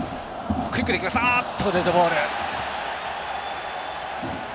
デッドボール。